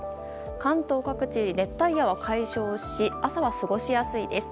関東各地、熱帯夜は解消し朝は過ごしやすいです。